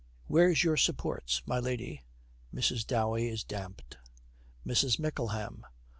Where's your supports, my lady?' Mrs. Dowey is damped. MRS. MICKLEHAM.